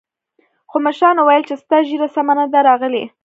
خو مشرانو ويل چې ستا ږيره سمه نه ده راغلې.